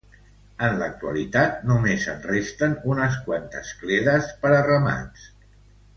En l'actualitat només en resten unes quantes cledes per a ramats.